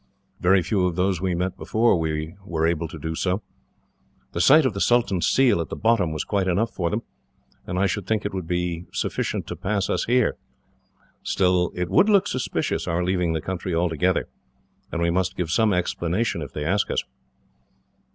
Very few of those we met before were able to do so. The sight of the sultan's seal at the bottom was quite enough for them, and I should think it would suffice to pass us here. Still, it would look suspicious, our leaving the the country altogether, and we must give some explanation if they ask us."